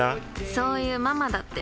そういうママだって。